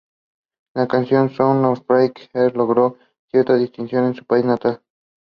The present name was taken from the street on which it lies.